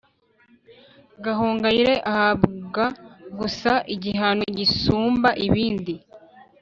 gahongayire ahabwa gusa igihano gisumba ibindi